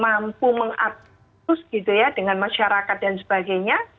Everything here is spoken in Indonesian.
mereka mampu mengaktifkan terus gitu ya dengan masyarakat dan sebagainya